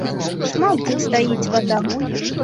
Шмат дзе стаіць вада.